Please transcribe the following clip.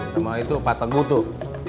nama itu patenggu tuh